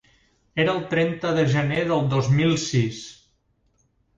Era el trenta de gener del dos mil sis.